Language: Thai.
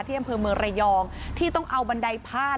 อำเภอเมืองระยองที่ต้องเอาบันไดพาด